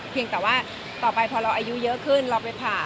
เพียงแต่ว่าต่อไปเพราะเราอายุเยอะขึ้นเราไปผ่า